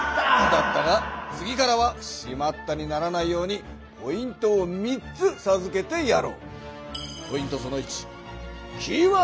だったが次からは「しまった！」にならないようにポイントを３つさずけてやろう。